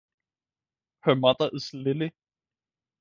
Her mother is Lily.